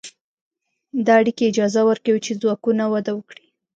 دا اړیکې اجازه ورکوي چې ځواکونه وده وکړي.